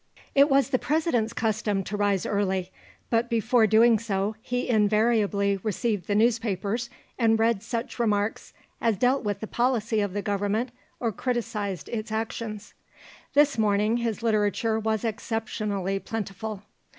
It was the President's custom to rise early, but before doing so he invariably received the newspapers and read such remarks as dealt with the policy of the Government or criticised its actions. This morning his literature was exceptionally plentiful.